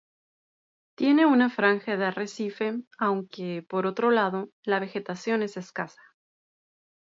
Tiene una franja de arrecife, aunque, por otro lado, la vegetación es escasa.